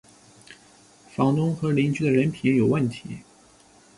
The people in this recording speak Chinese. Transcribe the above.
房东和邻居的人品有问题